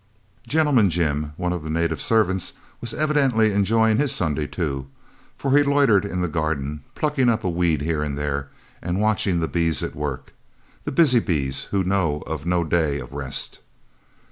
"Gentleman Jim," one of the native servants, was evidently enjoying his Sunday too, for he loitered in the garden, plucking up a weed here and there and watching the bees at work, the busy bees who know of no day of rest.